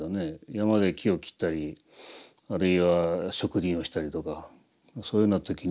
山で木を切ったりあるいは植林をしたりとかそういうような時にですね